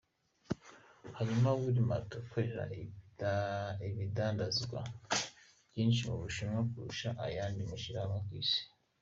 Hanyuma Walmart ikorera ibidandazwa vyinshi mu Bushinwa kurusha ayandi mashirahamwe kw'isi.